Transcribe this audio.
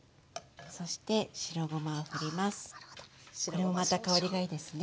これもまた香りがいいですね。